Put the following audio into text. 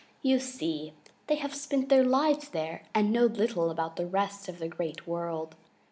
You see, they have spent their lives there and know little about the rest of the Great World.